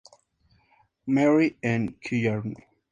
Mary en Killarney.